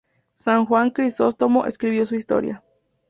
San Juan Crisóstomo escribió su historia.